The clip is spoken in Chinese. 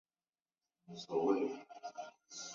高宗在内殿大宴蒙使。